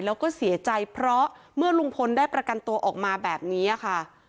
แล้วก็เสียใจเพราะเมื่อลุงพลได้ประกันตัวออกมาแบบนี้ค่ะ